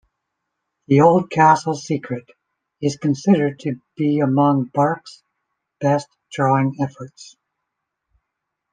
"The Old Castle's Secret" is considered to be among Barks' best drawing efforts.